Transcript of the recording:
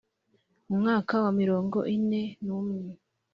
mu mwaka wa mirongo ine n’umwe